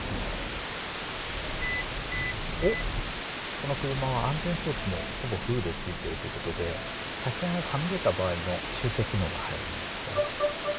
この車は安全装置もほぼフルでついているということで車線をはみ出た場合の修正機能が入るんです。